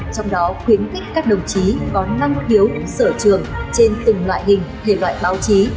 trong đó khuyến khích các đồng chí có năng hiếu sở trường trên từng loại hình